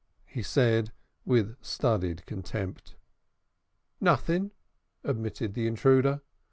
he said, with studied contempt. "Nothing," admitted the intruder.